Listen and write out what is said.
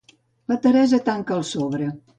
La Teresa tanca el sobre.